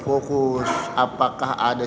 fokus apakah ada